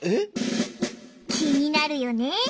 気になるよね！